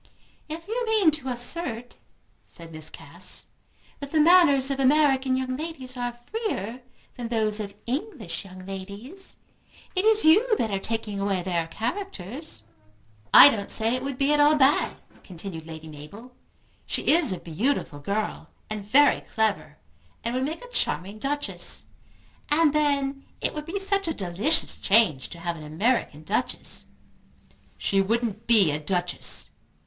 "If you mean to assert," said Miss Cass, "that the manners of American young ladies are freer than those of English young ladies, it is you that are taking away their characters." "I don't say it would be at all bad," continued Lady Mabel. "She is a beautiful girl, and very clever, and would make a charming Duchess. And then it would be such a delicious change to have an American Duchess." "She wouldn't be a Duchess."